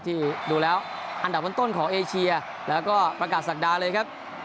ที่ดูแล้วอันดับต้นของเอเชียแล้วก็ประกาศศักดาเลยครับ